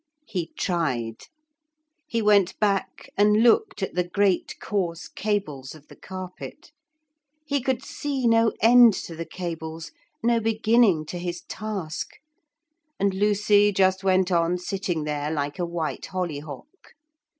He tried. He went back and looked at the great coarse cables of the carpet. He could see no end to the cables, no beginning to his task. And Lucy just went on sitting there like a white hollyhock.